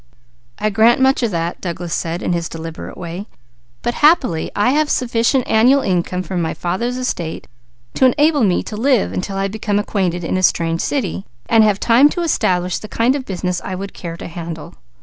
"I grant much of that," Douglas said, in his deliberate way, "but happily I have sufficient annual income from my father's estate to enable me to live until I become acquainted in a strange city, and have time to establish the kind of business I should care to handle.